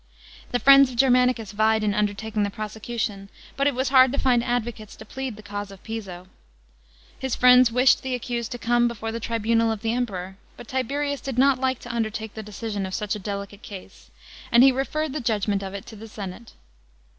The friends of Germanicus vied in undertaking the prosecution, but it was hard to find advocates to plead the cause of Piso. His friends wished the accused to come before the tribunal of the Emperor, but Tiberius did not like to undertake the decision of such a delicate case, and he referred the judgment of it to the senate.